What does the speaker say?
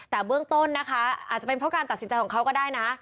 แต่เบื้องต้นนะคะอาจจะเป็นเพราะการตัดสินใจของเขาก็ได้นะ